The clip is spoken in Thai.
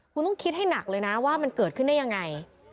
คุณต้องคิดให้หนักเลยนะว่ามันเกิดขึ้นได้ยังไง